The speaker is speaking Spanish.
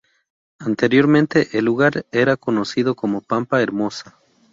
Anteriormente el lugar era conocido como Pampa Hermosa.